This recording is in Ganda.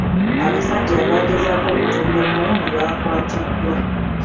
Abasajja abagezaako okutunda emmundu bakwatiddwa.